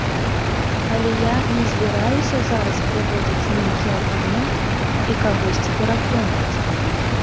Але я не збіраюся зараз прыводзіць нейкія аргументы і кагосьці пераконваць.